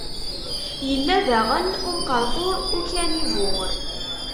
Yella daɣen umqerqur ukanivu.